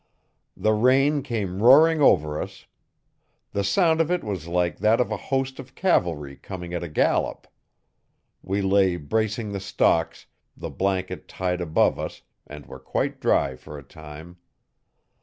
The rain came roaring over us. The sound of it was like that of a host of cavalry coming at a gallop. We lay bracing the stalks, the blanket tied above us and were quite dry for a time.